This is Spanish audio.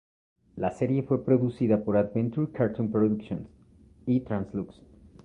La serie fue producida por Adventure Cartoon Productions y Trans-Lux.